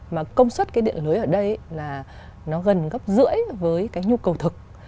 mà công suất cái điện lưới ở đây là nó gần gấp rưỡi với cái nhu cầu thực